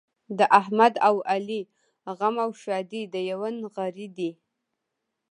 د احمد او علي غم او ښادي د یوه نغري دي.